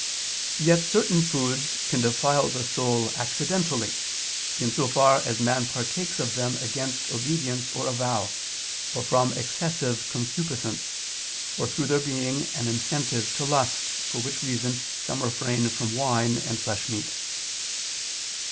Yet certain foods can defile the soul accidentally; in so far as man partakes of them against obedience or a vow, or from excessive concupiscence; or through their being an incentive to lust, for which reason some refrain from wine and flesh meat.